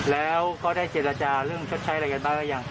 แล้วก็ได้เจรจาเรื่องชดใช้อะไรกันบ้างหรือยัง